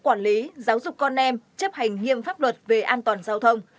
quản lý giáo dục con em chấp hành nghiêm pháp luật về an toàn giao thông